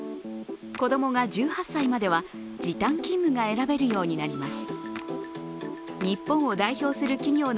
子どもが１８歳までは時短勤務が選べるようになります。